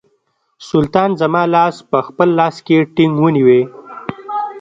سلطان زما لاس په خپل لاس کې ټینګ ونیوی.